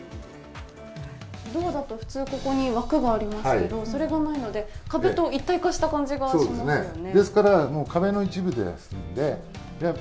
ドアだと普通、ここに枠がありますけど、それがないので壁と一体化した感じがしますね。